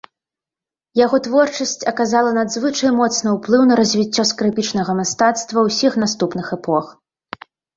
Яго творчасць аказала надзвычай моцны ўплыў на развіццё скрыпічнага мастацтва ўсіх наступных эпох.